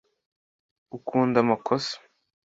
ukunda amakosa